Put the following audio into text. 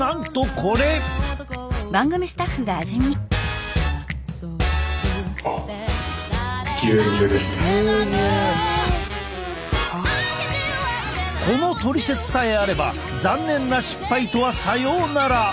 このトリセツさえあれば残念な失敗とはさようなら！